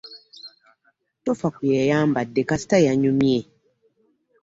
Tofa ku bye yayambadde kasita yanyumye.